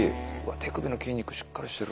手首の筋肉しっかりしてる。